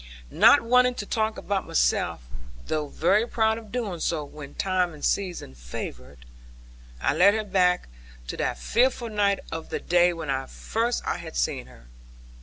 Not wanting to talk about myself (though very fond of doing so, when time and season favour) I led her back to that fearful night of the day when first I had seen her.